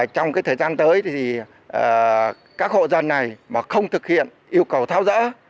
trong thời gian tới các hộ dân này mà không thực hiện yêu cầu thao dỡ